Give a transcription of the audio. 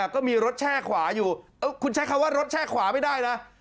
ก็มีรถแช่ขวาอยู่คุณใช้คำว่ารถแช่ขวาไม่ได้นะ